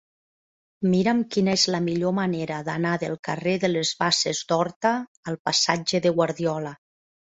Mira'm quina és la millor manera d'anar del carrer de les Basses d'Horta al passatge de Guardiola.